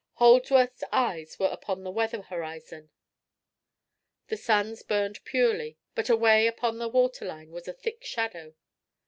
Holdsworth's eyes were upon the weather horizon. The stars burned purely, but away upon the water line was a thick shadow.